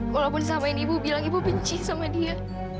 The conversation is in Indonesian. walaupun selama ini ibu bilang ibu benci sama dia